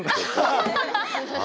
アハハハハ！